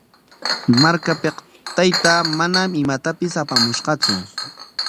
Markapik taytaa manam imatapis apamushqatsu.